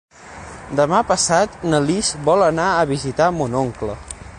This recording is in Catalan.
Demà passat na Lis vol anar a visitar mon oncle.